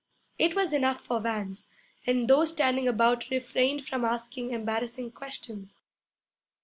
It was enough for Vance, and those standing about refrained from asking embarrassing questions.